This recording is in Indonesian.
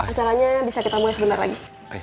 acaranya bisa kita mulai sebentar lagi